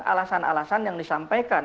alasan alasan yang disampaikan